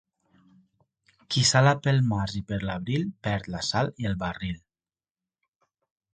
Qui sala pel març i per l'abril perd la sal i el barril.